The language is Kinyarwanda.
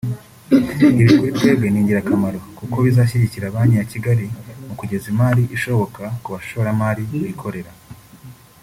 Ibi kuri twebwe ni ingirakamaro kuko bizashyigikira Banki ya Kigali mu kugeza imari ishoboka ku bashoramari bikorera